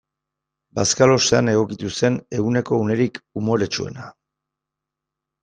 Bazkalostean egokitu zen eguneko unerik umoretsuena.